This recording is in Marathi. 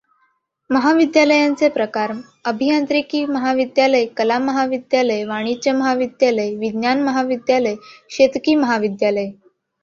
महाविद्यालयांचे प्रकार अभियांत्रिकी महाविद्यालय, कला महाविद्यालय, वाणिज्य महाविद्यालय, विज्ञान महाविद्यालय, शेतकी महाविद्यालय.